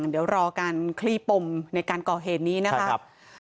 เดี๋ยวรอการคลี่ปมในการก่อเหตุนี้นะครับ